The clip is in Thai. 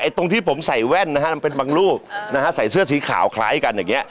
ตรงที่ผมใส่แว่นนะฮะมันเป็นบางรูปนะฮะใส่เสื้อสีขาวคล้ายกันอย่างนี้